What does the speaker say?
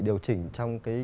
điều chỉnh trong cái